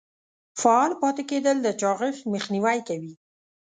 فعال پاتې کیدل د چاغښت مخنیوی کوي.